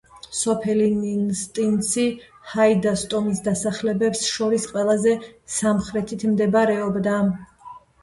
სოფელი ნინსტინცი ჰაიდას ტომის დასახლებებს შორის ყველაზე სამხრეთით მდებარეობდა.